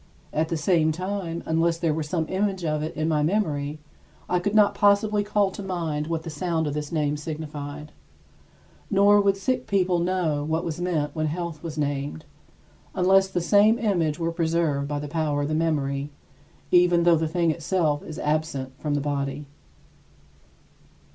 At the same time, unless there were some image of it in my memory, I could not possibly call to mind what the sound of this name signified. Nor would sick people know what was meant when health was named, unless the same image were preserved by the power of memory, even though the thing itself is absent from the body.